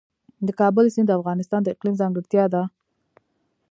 د کابل سیند د افغانستان د اقلیم ځانګړتیا ده.